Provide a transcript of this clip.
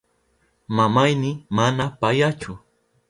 Mamayni mana payachu.